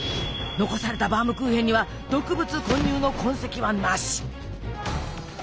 残されたバームクーヘンには毒物混入の痕跡はなし！